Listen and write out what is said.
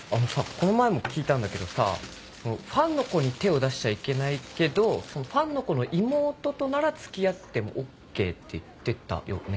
この前も聞いたんだけどさファンの子に手を出しちゃいけないけどそのファンの子の妹となら付き合ってもＯＫって言ってたよね？